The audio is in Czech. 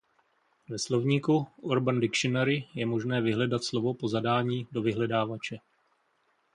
Ve slovníku Urban Dictionary je možné vyhledat slovo po zadání do vyhledávače.